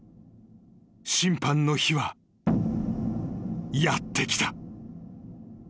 ［審判の日はやって来た］